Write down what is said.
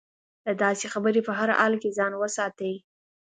له داسې خبرې په هر حال کې ځان وساتي.